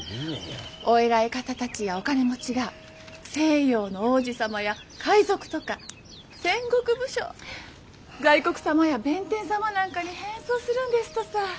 お偉い方たちやお金持ちが西洋の王子様や海賊とか戦国武将大黒様や弁天様なんかに変装するんですとさ。